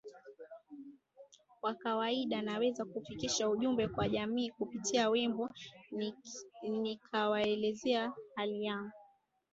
wa kawaida naweza kufikisha ujumbe kwa jamii kupitia wimbo nikawaelezea hali yangu